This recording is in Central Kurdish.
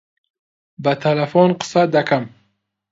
بە تەلەفۆن قسە دەکەم.